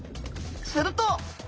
すると。